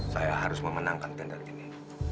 saya harus memenangkan tender ini